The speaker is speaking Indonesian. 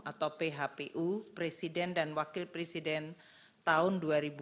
atau phpu presiden dan wakil presiden tahun dua ribu dua puluh